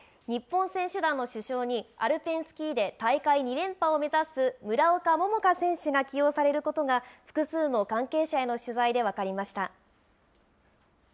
日本選手団の主将に、アルペンスキーで大会２連覇を目指す村岡桃佳選手が起用されることが、複数の関係者への取材で分かりました。